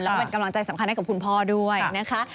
แล้วก็เป็นกำลังใจสำคัญให้กับคุณพ่อด้วยนะคะ